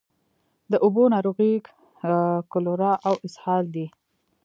د اوبو ناروغۍ کالرا او اسهال دي.